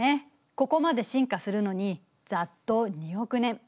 ここまで進化するのにざっと２億年。